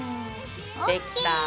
できた。